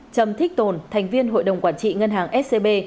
trầm thích tồn thành viên hội đồng quản trị ngân hàng scb